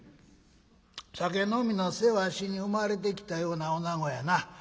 酒飲みの世話しに生まれてきたようなおなごやな。